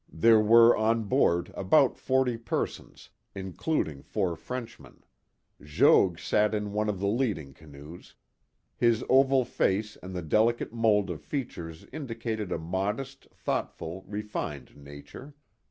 There were on board about forty persons, including four Frenchmen. Jogues sat in one of the leading canoes. His oval face and the delicate mold of features indicated a modest, thoughtful, refined nature.